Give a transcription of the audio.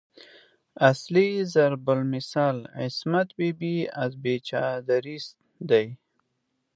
اصلي ضرب المثل "عصمت بي بي از بې چادريست" دی.